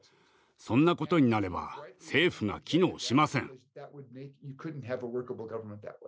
そんなことになれば政府が機能しません。